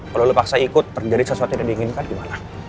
kalau lu paksa ikut terjadi sesuatu yang diinginkan gimana